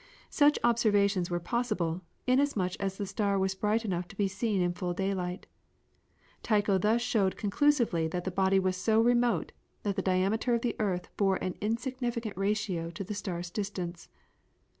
Such observations were possible, inasmuch as the star was bright enough to be seen in full daylight. Tycho thus showed conclusively that the body was so remote that the diameter of the earth bore an insignificant ratio to the star's distance.